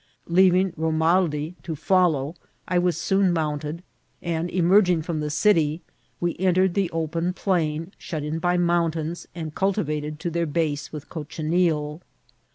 Leaving Romaldi to follow, I was soon mounted ; and emerging from the city, we entered the open plain, shut in by mountains, and cultivated to their base with cochineal.